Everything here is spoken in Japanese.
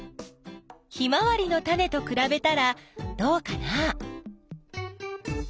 ヒマワリのタネとくらべたらどうかな？